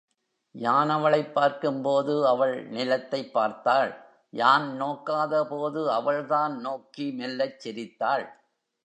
யான் அவளைப் பார்க்கும்போது அவள் நிலத்தைப் பார்த்தாள் யான் நோக்காதபோது அவள் தான் நோக்கி மெல்லச் சிரித்தாள்.